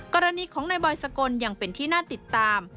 กรณีของนายบอยสกลยังเป็นที่น่าติดตาม